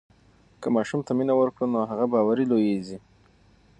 که ماشوم ته مینه ورکړو نو هغه باوري لویېږي.